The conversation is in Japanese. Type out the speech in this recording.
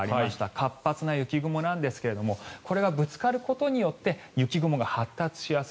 活発な雪雲なんですがこれがぶつかることによって雪雲が発達しやすい。